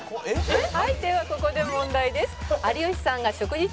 「はいではここで問題です」